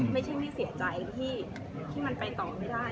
ไม่ใช่ไม่เสียใจที่มันไปต่อไม่ได้